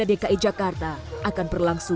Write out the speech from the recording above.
dengan melibatkan enam ratus responden